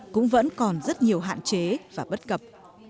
cũng vẫn còn rất nhiều hạn chế và bất cập